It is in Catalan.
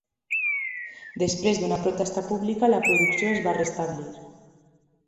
Després d'una protesta pública, la producció es va restablir.